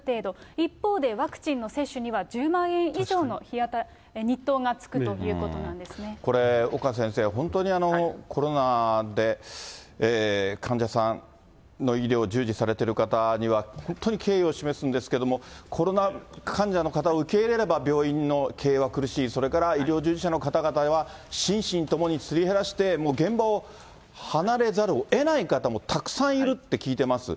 一方で、ワクチンの接種には１０万円以上の日当が付くということなんですこれ、岡先生、本当に、コロナで、患者さんの医療、従事されている方には、本当に敬意を示すんですけれども、コロナ患者の方を受け入れれば病院の経営は苦しい、それから医療従事者の方々は、心身ともにすり減らして、もう現場を離れざるをえない方もたくさんいるって聞いてます。